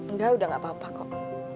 nggak udah nggak apa apa kok